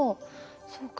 そうか。